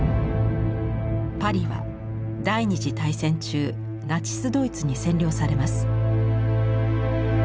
パリは第二次大戦中ナチスドイツに占領されます。